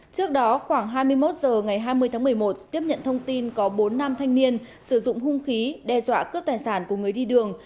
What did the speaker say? trước đó khoảng hai mươi một h ngày hai mươi tháng một mươi một tiếp nhận thông tin có bốn nam thanh niên sử dụng hung khí đe dọa cướp tài sản của người đi đường